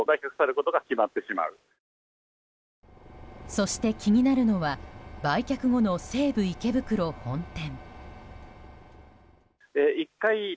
そして、気になるのは売却後の西武池袋本店。